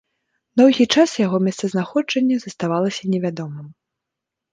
Доўгі час яго месцазнаходжанне заставалася невядомым.